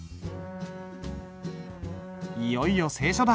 いよいよ清書だ。